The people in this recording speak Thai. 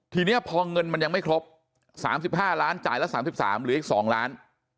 ทีนี้พอเงินมันยังไม่ครบ๓๕ล้านจ่ายละ๓๓เหลืออีก๒ล้าน